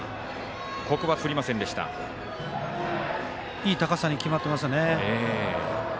いい高さに決まってますよね。